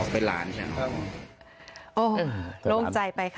อ๋อไปหลานใช่มั้ง